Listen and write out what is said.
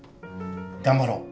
頑張ろう。